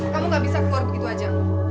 kamu tidak bisa keluar begitu saja